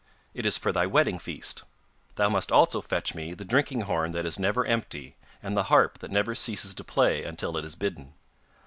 It is for thy wedding feast. Thou must also fetch me the drinking horn that is never empty, and the harp that never ceases to play until it is bidden.